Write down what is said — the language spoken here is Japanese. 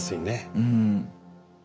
うん。